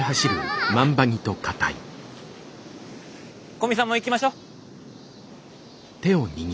古見さんも行きましょ。